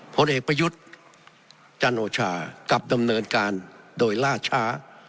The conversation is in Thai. ผลเอกประยุทธ์จันโอชากลับดำเนินการโดยล่าช้า